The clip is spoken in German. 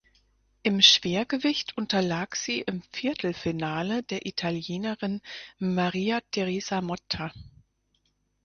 Im Schwergewicht unterlag sie im Viertelfinale der Italienerin Maria Teresa Motta.